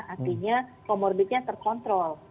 artinya comorbidnya terkontrol